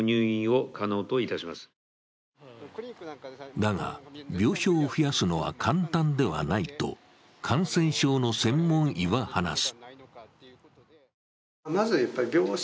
だが、病床を増やすのは簡単ではないと感染症の専門医は話す。